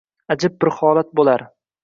Ajib bir holat bo’lar.